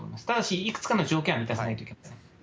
ただしいくつかの条件は満たさないといけません。